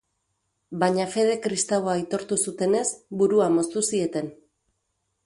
Baina fede kristaua aitortu zutenez, burua moztu zieten.